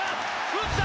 打った！